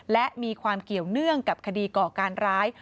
และมีความเกี่ยวเนื่องกับคดีก่อการร้าย